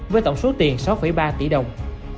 với tổng số tiền sáu ba tỷ đồng